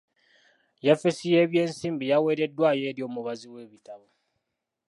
Yafesi y'eby'ensimbi yaweereddwayo eri omubazi w'ebitabo.